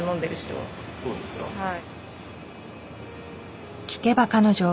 はい。